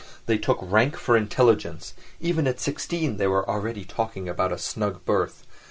They took rank for intelligence; even at sixteen they were already talking about a snug berth.